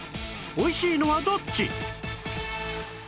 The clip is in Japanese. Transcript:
おいしいのはどっち？